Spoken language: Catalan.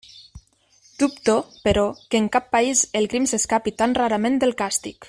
Dubto, però, que en cap país el crim s'escapi tan rarament del càstig.